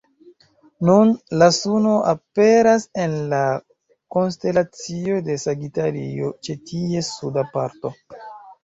Nun, la suno aperas en la konstelacio de Sagitario, ĉe ties suda parto.